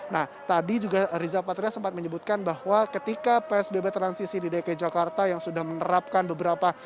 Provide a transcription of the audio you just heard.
nah tadi juga riza patria sempat menyebutkan bahwa ketika psbb transisi di dki jakarta yang sudah menerapkan beberapa